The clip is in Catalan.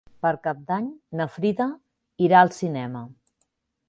Per Cap d'Any na Frida irà al cinema.